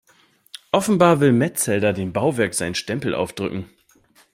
Offenbar will Metzelder dem Bauwerk seinen Stempel aufdrücken.